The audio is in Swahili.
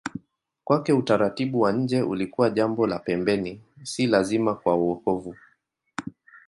Kwake utaratibu wa nje ulikuwa jambo la pembeni, si lazima kwa wokovu.